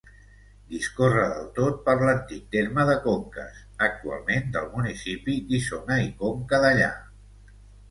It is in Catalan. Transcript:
Discorre del tot per l'antic terme de Conques, actualment del municipi d'Isona i Conca Dellà.